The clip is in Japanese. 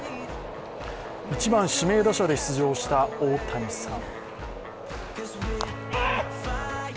１番・指名打者で出場した大谷さん。